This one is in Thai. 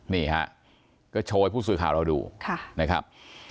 นี่ฮะก็โชว์ให้ผู้สื่อข่าวเราดูนะครับ